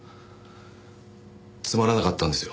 つまらなかったんですよ